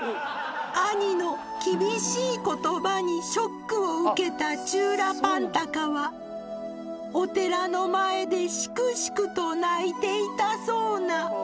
兄の厳しいことばにショックを受けたチューラパンタカはお寺の前でシクシクと泣いていたそうな。